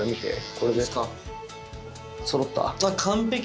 これでそろった？